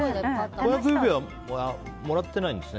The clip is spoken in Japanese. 婚約指輪はもらっていないんですね。